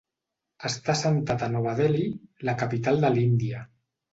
Està assentat a Nova Delhi, la capital de l'Índia.